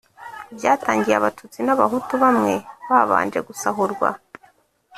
byatangiye abatutsi n' abahutu bamwe babanje gusahurwa,